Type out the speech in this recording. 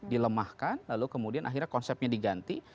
dilemahkan lalu kemudian akhirnya konsepnya diganti